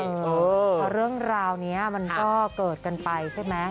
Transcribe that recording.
เพราะเรื่องราวนี้มันก็เกิดกันไปใช่ไหม